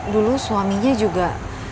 dulu suaminya juga